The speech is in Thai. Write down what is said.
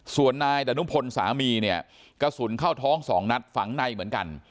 ส่วนนายดานุพลสามีเนี่ยกระสุนเข้าท้องสองนัดฝังในเหมือนกัน